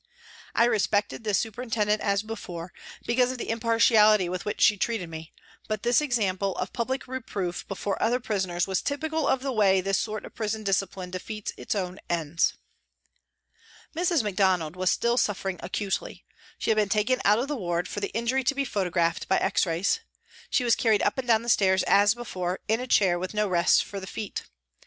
I respected this super intendent as before, because of the impartiality with which she treated me, but this example of public reproof before other prisoners was typical of the way this sort of prison discipline defeats its own ends. "A TRACK TO THE WATER'S EDGE" 1G9 Mrs. Macdonald was still suffering acutely. She had been taken out of the ward for the injury to be photographed by X rays. She was carried up and down the stairs, as before, in a chair with no rest for the feet.